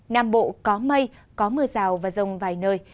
nam bộ có mây có mưa rào và rông vài nơi